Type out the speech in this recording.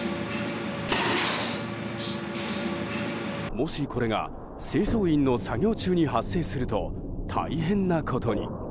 もしこれが清掃員の作業中に発生すると大変なことに。